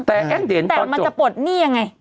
แต่มันจะปลดหนี้ยังไง